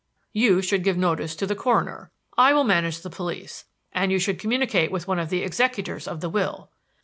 "You should give notice to the coroner I will manage the police and you should communicate with one of the executors of the will."